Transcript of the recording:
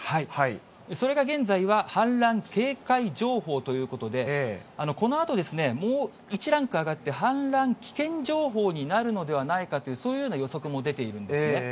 それが現在は、氾濫警戒情報ということで、このあとですね、もう１ランク上がって氾濫危険情報になるのではないかという、そういうような予測も出ているんですね。